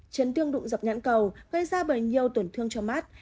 chấn thương đụng dập nhãn cầu gây ra bởi nhiều tổn thương cho mắt